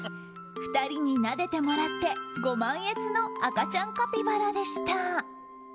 ２人になでてもらってご満悦の赤ちゃんカピバラでした。